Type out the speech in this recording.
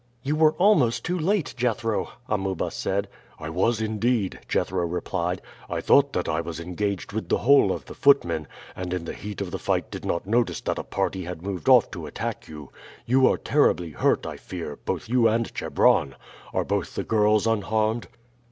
"You were almost too late, Jethro," Amuba said. "I was, indeed," Jethro replied. "I thought that I was engaged with the whole of the footmen, and in the heat of the fight did not notice that a party had moved off to attack you. You are terribly hurt, I fear, both you and Chebron. Are both the girls unharmed?"